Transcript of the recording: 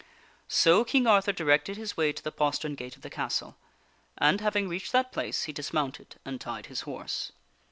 So King Arthur directed his way to the postern gate of the castle, and, having reached that place, he dismounted and tied his horse.